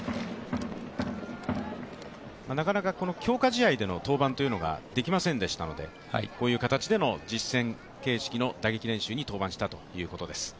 なかなか強化試合での登板というのができませんでしたのでこういう形での実戦形式の打撃練習に登板したということです。